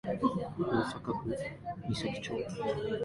大阪府岬町